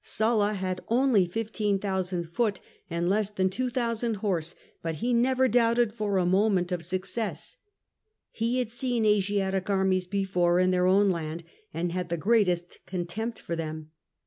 Sulla had only 15,000 foot, and less than 2000 horse, but he never doubted for a moment of success. He had seen Asiatic armies before in their own land, and had the greatest contempt for them.